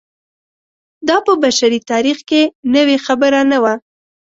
دا په بشري تاریخ کې نوې خبره نه وه.